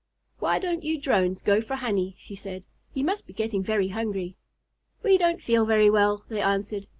"Why don't you Drones go for honey?" she said. "You must be getting very hungry." "We don't feel very well," they answered.